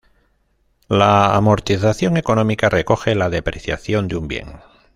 La amortización económica recoge la depreciación de un bien.